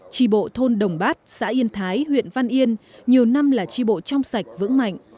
tri bộ thôn đồng bát xã yên thái huyện văn yên nhiều năm là tri bộ trong sạch vững mạnh